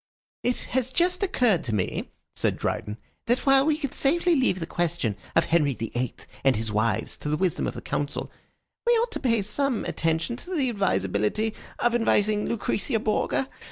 "It has just occurred to me," said Dryden, "that while we can safely leave the question of Henry the Eighth and his wives to the wisdom of the council, we ought to pay some attention to the advisability of inviting Lucretia Borgia.